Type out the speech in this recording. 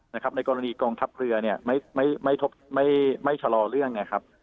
นะครับในกรณีกองทัพเรือเนี่ยไม่ไม่ไม่ทบไม่ไม่ชะลอเรื่องนะครับ